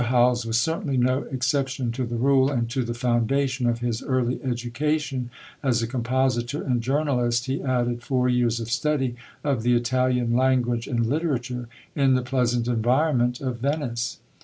Howells was certainly no exception to the rule, and to the foundation of his early education as a compositor and journalist he added four years of study of the Italian language and literature in the pleasant environment of Venice.